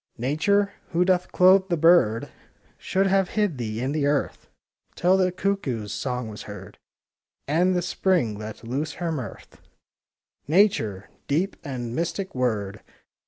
Nature, who doth clothe the bird, Should have hid thee in the earth. Till the cuckoo's song was heard, And the Spring let loose her mirth. Nature,— deep and mystic word!